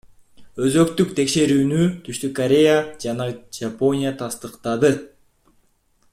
Өзөктүк текшерүүнү Түштүк Корея жана Жапония тастыктады.